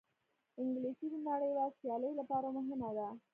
انګلیسي د نړیوال سیالۍ لپاره مهمه ده